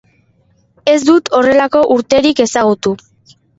Ez dut horrelako urterik ezagutu.